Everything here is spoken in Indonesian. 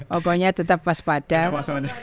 pokoknya tetap pas padat